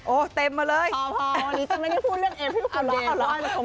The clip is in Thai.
โอ๊ยเต็มมาเลยพอจากนี้พูดเรื่องเอกทุกคนล้อค่ะล้อ